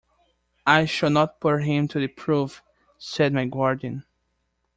"I shall not put him to the proof," said my guardian.